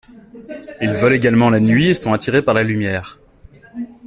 Ils volent également la nuit et sont attirés par la lumière.